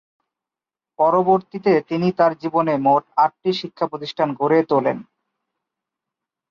পরবর্তিতে তিনি তার জীবনে মোট আট টি শিক্ষা প্রতিষ্ঠান গড়ে তোলেন।